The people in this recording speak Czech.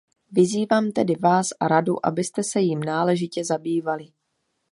Vyzývám tedy vás a Radu, abyste se jím náležitě zabývali.